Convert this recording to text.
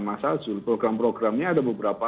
mas azul program programnya ada beberapa